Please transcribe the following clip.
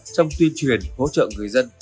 trong tuyên truyền hỗ trợ người dân